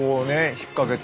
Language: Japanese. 引っ掛けて。